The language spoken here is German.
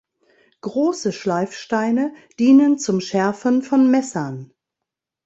Große Schleifsteine dienen zum Schärfen von Messern.